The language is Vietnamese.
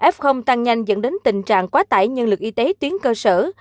f tăng nhanh dẫn đến tình trạng quá tải nhân lực y tế tuyến cơ sở